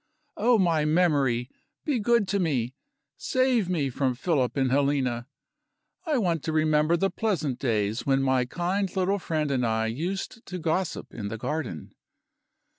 Oh, my memory, be good to me! Save me from Philip and Helena. I want to remember the pleasant days when my kind little friend and I used to gossip in the garden.